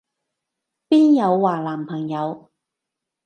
邊有話男朋友？